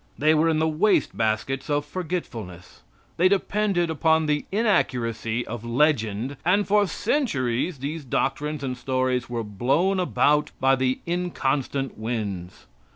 They were in the wastebaskets of forgetfulness. They depended upon the inaccuracy of legend, and for centuries these doctrines and stories were blown about by the inconstant winds.